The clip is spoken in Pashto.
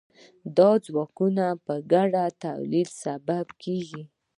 دا ځواکونه په ګډه د تولید سبب کیږي.